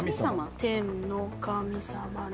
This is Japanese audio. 「天の神様の」